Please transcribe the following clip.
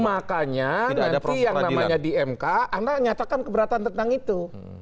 makanya nanti yang namanya di mk anak nyatakan keberatan tentang itu